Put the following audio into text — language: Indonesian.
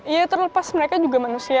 ya terlepas mereka juga manusia